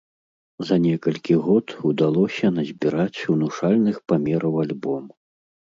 За некалькі год удалося назбіраць унушальных памераў альбом.